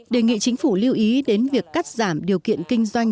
đề nghị chính phủ lưu ý đến việc cắt giảm điều kiện kinh doanh